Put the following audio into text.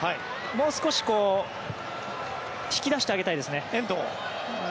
もう少し引き出してあげたいですね。